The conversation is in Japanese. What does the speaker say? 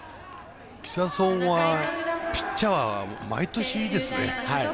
木更津総合はピッチャーは毎年いいですね。